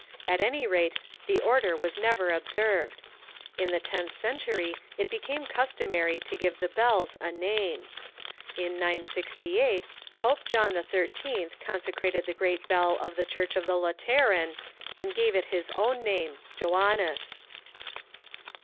At any rate, the order was never ob served. In the tenth century it became customary to give the bells a name. In 968 Pope John XIII. consecrated the great bell of the Church of the Lateran, and gave it his own name, Joannes.